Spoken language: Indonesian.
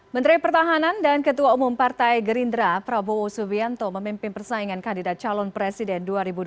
menteri pertahanan dan ketua umum partai gerindra prabowo subianto memimpin persaingan kandidat calon presiden dua ribu dua puluh